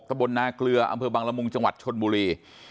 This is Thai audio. ตะบนนาเกลืออำเภอบังละมุงจังหวัดชนบุรี